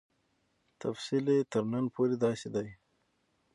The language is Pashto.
تفصیل یې تر نن پورې داسې دی.